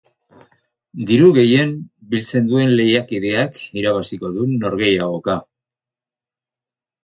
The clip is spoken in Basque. Diru gehien biltzen duen lehiakideak irabaziko du norgehiagoka.